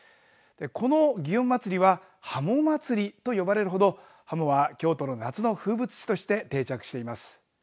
この祇園祭はハモ祭りと呼ばれるほどハモは京都の夏の風物詩として定着しています。